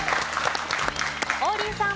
王林さん。